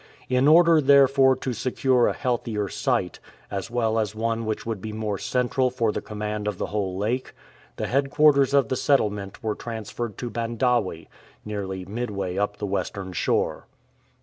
"" In order, therefore, to secure a healthier site, as well as one which would be more central for the command of the whole lake, the headquarters of the settlement were transferred to Bandawe, nearly mid way up the western shore.